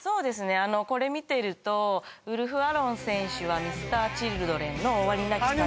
あのこれ見てるとウルフ・アロン選手はＭｒ．Ｃｈｉｌｄｒｅｎの「終わりなき旅」とかああ